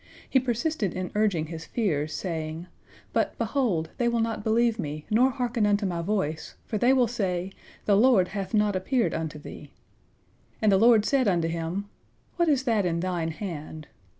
He persisted in urging his fears, saying: "But, behold, they will not believe me, nor hearken unto my voice, for they will say, 'The Lord hath not appeared unto thee.[] And the Lord said unto him, "What is that in thine hand?"